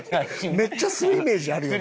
めっちゃするイメージあるよな。